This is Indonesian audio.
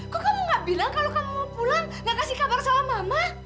kok kamu gak bilang kalau kamu mau pulang gak kasih kabar sama mama